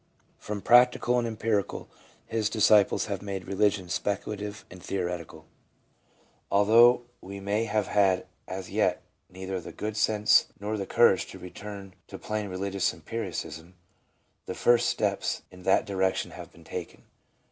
From practical and empirical, his disciples have made religion speculative and theoretical. Although we have had as yet neither the good sense nor the courage to return to plain religious empiricism, the first steps in that direction have been taken.